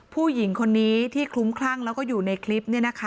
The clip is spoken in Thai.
ผู้หญิงคนนี้ที่คลุ้มคลั่งแล้วก็อยู่ในคลิป